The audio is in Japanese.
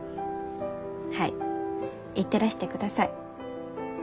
はい行ってらしてください。